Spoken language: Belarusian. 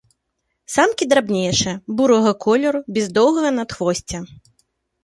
Самкі драбнейшыя, бурага колеру, без доўгага надхвосця.